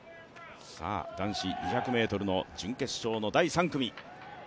男子２００ｍの準決勝の第３組。